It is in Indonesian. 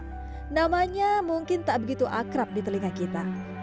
ya namanya mungkin tak begitu akrab di telinga kita